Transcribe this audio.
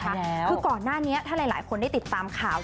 คือก่อนหน้านี้ถ้าหลายคนได้ติดตามข่าว